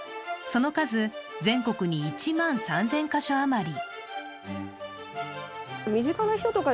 その数、全国に１万３０００か所余り。